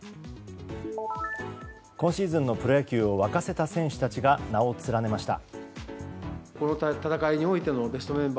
今シーズンのプロ野球を沸かせた選手たちが名を連ねました。